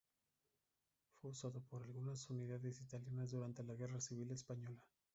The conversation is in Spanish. Fue usado por algunas unidades italianas durante la Guerra Civil Española.